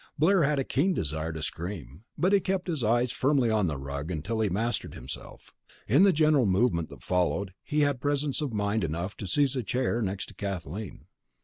Blair had a keen desire to scream, but he kept his eyes firmly on the rug until he had mastered himself. In the general movement that followed he had presence of mind enough to seize a chair next to Kathleen.